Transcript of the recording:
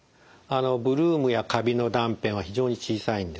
ブルームやカビの断片は非常に小さいんですね。